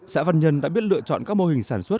xã văn nhân đã biết lựa chọn các mô hình sản xuất